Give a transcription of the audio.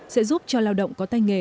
sẽ giúp cho lao động có tay nghề thấp